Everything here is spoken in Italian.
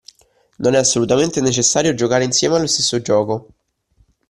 Non è assolutamente necessario giocare insieme allo stesso gioco.